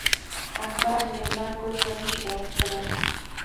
احمد مېلمه کور ته نه شي راوستلی.